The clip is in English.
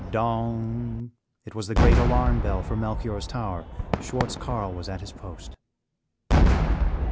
Dong! It was the great alarm bell from Melchior's tower Schwartz Carl was at his post.